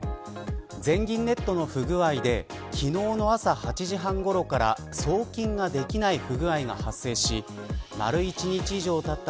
全銀ネットの不具合で昨日の朝８時半ごろから送金ができない不具合が発生し丸一日以上たった